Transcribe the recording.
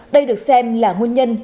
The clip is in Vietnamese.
đây được xem là nguồn nhân